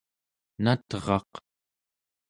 nateraq